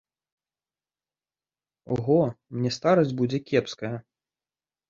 Ого, мне старасць будзе кепская.